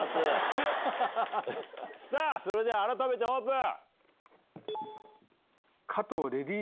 それでは改めてオープン！